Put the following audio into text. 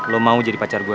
lo mau jadi pacar gue